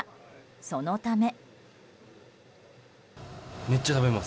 そのため。